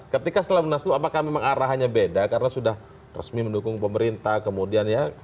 ketika setelah munaslu apakah memang arahannya beda karena sudah resmi mendukung pemerintah kemudian ya